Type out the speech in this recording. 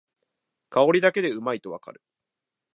香りだけでうまいとわかる